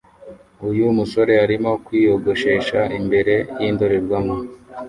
Uyu musore arimo kwiyogoshesha imbere yindorerwamo